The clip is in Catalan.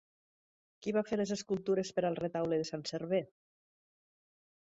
Qui va fer les escultures per al retaule de Sant Server?